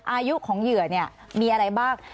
อายุของเหยื่อมีอะไรบ้าง